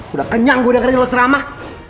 udah kenyang gue dengerin lo ceramah